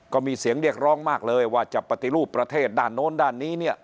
ก็มีเสียงเรียกร้องมากเลยว่าจะปฏิรูปประเทศด้านโน้นด้านนี้เนี่ย